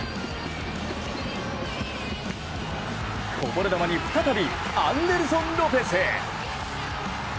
こぼれ球に再び、アンデルソン・ロペス。